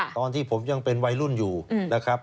ตอนที่ผมยังเป็นวัยรุ่นอยู่นะครับ